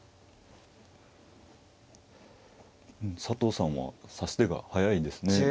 佐藤さんは指し手が速いですね。